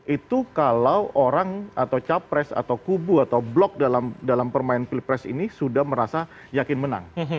itu kalau orang atau capres atau kubu atau blok dalam permain pilpres ini sudah merasa yakin menang